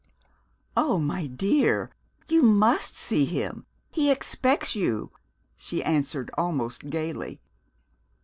"Oh, my dear, you must see him. He expects you," she answered almost gayly.